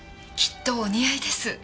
きっとお似合いです。